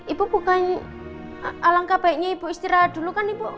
ibu bukan alangkah baiknya ibu istirahat dulu kan ibu